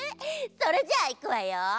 それじゃあいくわよ。